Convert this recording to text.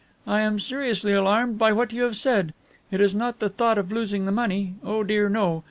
I am seriously alarmed by what you have said. It is not the thought of losing the money, oh dear, no.